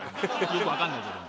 よくわかんないけども。